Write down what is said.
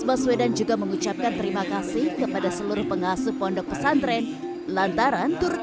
baswedan juga mengucapkan terima kasih kepada seluruh pengasuh pondok pesantren lantaran turut